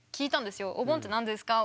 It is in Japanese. お盆って何ですか？